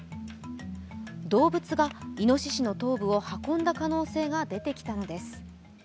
動物がいのししの頭部を運んだ可能性が出てきたのです。